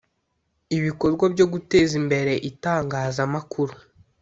ibikorwa byo guteza imbere itangazamakuru